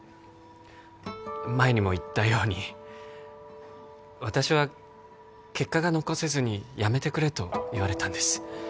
前にも言ったように私は結果が残せずに辞めてくれと言われたんです